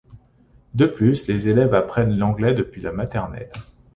De plus, les élèves apprennent l’anglais depuis la maternelle.